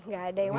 nggak ada yang mau